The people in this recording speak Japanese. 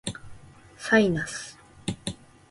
サイナス